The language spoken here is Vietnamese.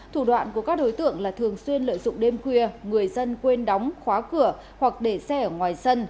thủ đoạn của các đối tượng là thường xuyên lợi dụng đêm khuya người dân quên đóng khóa cửa hoặc để xe ở ngoài sân